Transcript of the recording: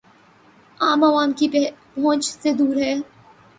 عام عوام کی پہنچ سے دور ہے